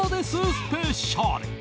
スペシャル。